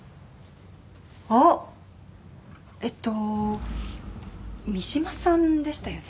あっえっと三島さんでしたよね？